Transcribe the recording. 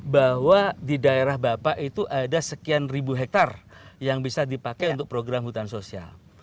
bahwa di daerah bapak itu ada sekian ribu hektare yang bisa dipakai untuk program hutan sosial